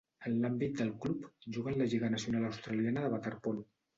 En l'àmbit del club, juga en la Lliga Nacional Australiana de Waterpolo.